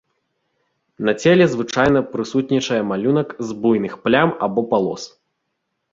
На целе звычайна прысутнічае малюнак з буйных плям або палос.